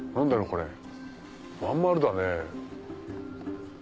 これ真ん丸だね。